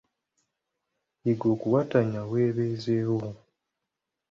Yiga okuwatanya weebeezeewo.